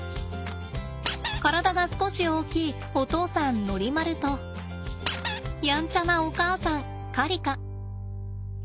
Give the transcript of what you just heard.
体が少し大きいお父さんノリマルとやんちゃなお母さんカリカ。